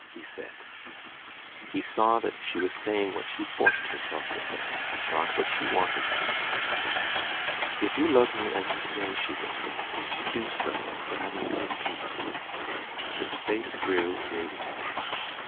he said. He saw she was saying what she forced herself to say, not what she wanted to say. "If you love me, as you say," she whispered, "do so that I may be at peace." His face grew radiant.